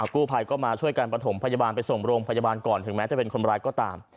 กู้ภัยก็มาช่วยกันประถมพยาบาลไปส่งโรงพยาบาลก่อนถึงแม้จะเป็นคนร้ายก็ตาม